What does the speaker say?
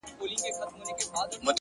مثبت فکر ذهن آراموي،